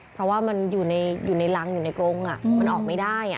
เพราะว่ามันอยู่ในรังอยู่ในกรงมันออกไม่ได้